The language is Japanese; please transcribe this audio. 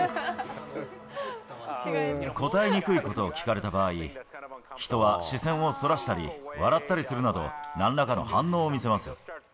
答えにくいことを聞かれた場合、人は視線をそらしたり、笑ったりするなど、なんらかの反応を見せます。